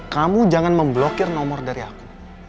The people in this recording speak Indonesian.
kamu jangan memblokir nomor dari aku